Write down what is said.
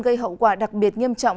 gây hậu quả đặc biệt nghiêm trọng